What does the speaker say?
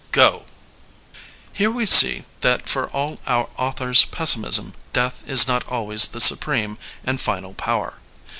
QoV Here we see that for all our author's pessimism death is not always the supreme and final power.